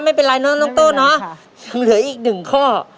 ไม่เป็นไรเนอะน้องโต้เนอะยังเหลืออีกหนึ่งข้อ